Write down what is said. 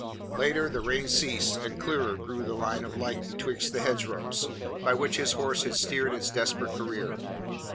Later the rain ceased, and clearer grew the line of light betwixt the hedgerows, by which his horse had steered its desperate career.